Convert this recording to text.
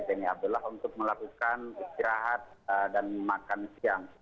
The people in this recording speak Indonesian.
ini abdullah untuk melakukan istirahat dan makan siang